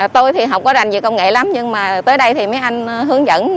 tôi thì học quá đành về công nghệ lắm nhưng mà tới đây thì mấy anh hướng dẫn